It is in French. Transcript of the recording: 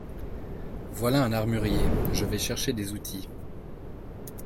Voilà un armurier, je vais chercher des outils…